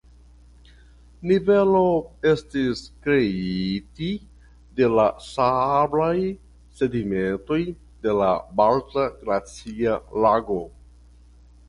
Nivelo estis kreiti de la sablaj sedimentoj de la Balta Glacia Lago.